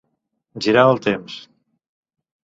Girar el temps.